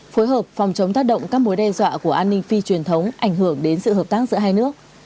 phối hợp phòng chống tác động các mối đe dọa của an ninh phi truyền thống ảnh hưởng đến sự hợp tác giữa hai nước